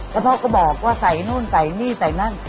แล้วพ่อก็บอกว่าใส่นู่นใส่นี่ใส่นั่น